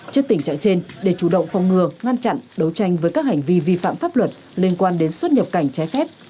trước tình trạng trên để chủ động phòng ngừa ngăn chặn đấu tranh với các hành vi vi phạm pháp luật liên quan đến xuất nhập cảnh trái phép